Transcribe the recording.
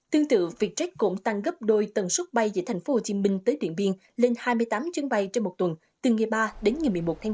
tương tự vietjet cũng tăng gấp đôi tầng suốt bay giữa thành phố hồ chí minh tới điện biên lên hai mươi tám chuyến bay trong một tuần từ ngày ba đến ngày một mươi một tháng năm